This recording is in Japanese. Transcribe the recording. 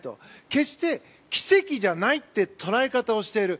決して奇跡じゃないという捉え方をしている。